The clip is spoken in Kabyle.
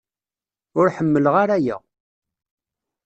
Ur ḥemmleɣ ara aya.